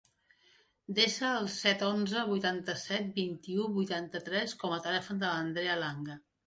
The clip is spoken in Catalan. Desa el set, onze, vuitanta-set, vint-i-u, vuitanta-tres com a telèfon de l'Andrea Langa.